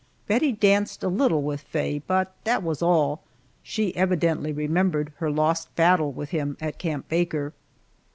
Bettie danced a little with Faye, but that was all. She evidently remembered her lost battle with him at Camp Baker.